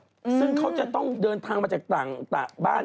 ซึ่งเขาจะต้องเดินทางมาจากต่างบ้าน